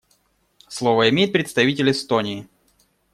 Слово имеет представитель Эстонии.